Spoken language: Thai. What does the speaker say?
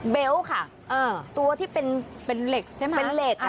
ค่ะตัวที่เป็นเป็นเหล็กใช่ไหมเป็นเหล็กอ่ะ